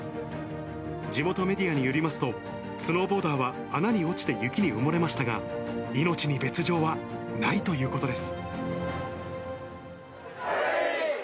地元メディアによりますと、スノーボーダーは穴に落ちて雪に埋もれましたが、命に別状はないということです。